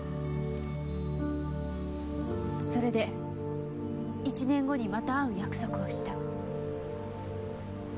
それで１年後にまた会う約束をした。